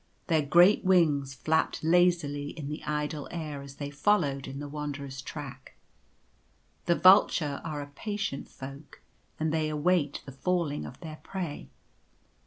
Their great wings flapped lazily in the idle air as they followed in the Wanderer's track. The vulture are a patient folk, and they await the falling of the prey.